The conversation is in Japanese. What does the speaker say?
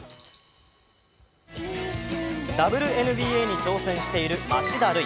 ＷＮＢＡに挑戦している町田瑠唯。